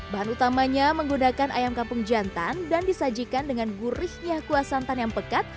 bahan utamanya menggunakan ayam kampung jantan dan disajikan dengan gurihnya kuah santan yang pekat